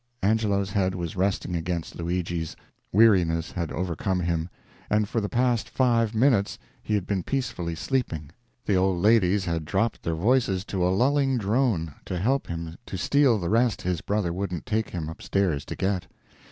Angelo's head was resting against Luigi's; weariness had overcome him, and for the past five minutes he had been peacefully sleeping. The old ladies had dropped their voices to a lulling drone, to help him to steal the rest his brother wouldn't take him up stairs to get.